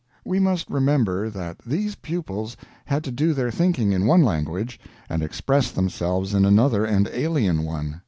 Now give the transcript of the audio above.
We must remember that these pupils had to do their thinking in one language, and express themselves in another and alien one.